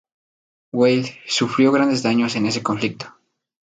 Weil sufrió grandes daños en ese conflicto.